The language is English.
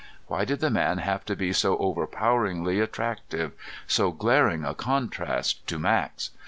Why did the man have to be so overpoweringly attractive, so glaring a contrast to Max?